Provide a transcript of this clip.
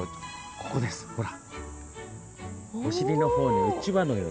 ここです、ほら。